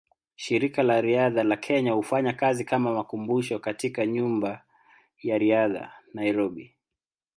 Shirika la Riadha la Kenya hufanya kazi kama makumbusho katika Nyumba ya Riadha, Nairobi.